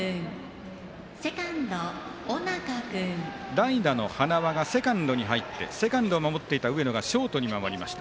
代打の塙が、セカンドに入ってセカンドを守っていた上野がショートに回りました。